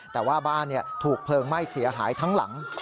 แต่ว่าบ้านถูกเพลิงไหม้เสียหายทั้งหลัง